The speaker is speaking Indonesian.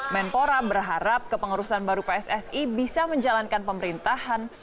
menpora berharap kepengurusan baru pssi bisa menjalankan pemerintahan